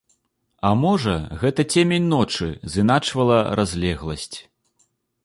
А можа, гэта цемень ночы зыначвала разлегласць.